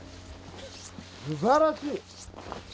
すばらしい！